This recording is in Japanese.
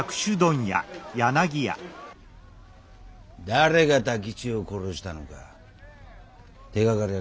誰が太吉を殺したのか手がかりはねえのか。